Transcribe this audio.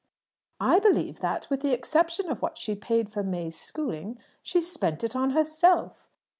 "I believe that, with the exception of what she paid for May's schooling, she spent it on herself."